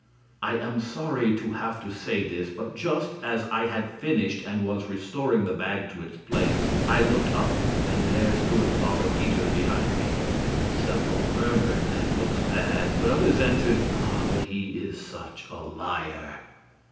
A. I am sorry to have to say this, but just as I had finished and was restoring the bag to its place, I looked up and there stood Father Peter behind me. Several murmured, "That looks bad," but others answered, "Ah, but he is such a liar!"